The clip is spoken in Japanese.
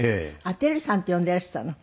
輝さんって呼んでらしたの？